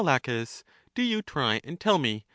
Laches, do you try and tell me.